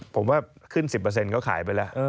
ผมว่าขึ้น๑๐ก็ขายไปแล้ว